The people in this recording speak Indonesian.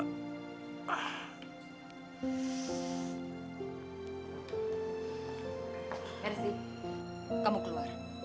merzy kamu keluar